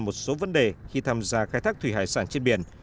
một số vấn đề khi tham gia khai thác thủy hải sản trên biển